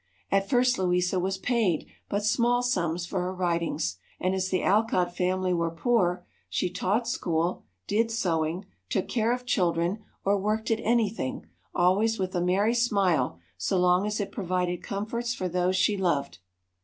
At first Louisa was paid but small sums for her writings, and as the Alcott family were poor, she taught school, did sewing, took care of children, or worked at anything, always with a merry smile, so long as it provided comforts for those she loved.